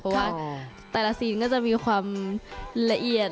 เพราะว่าแต่ละซีนก็จะมีความละเอียด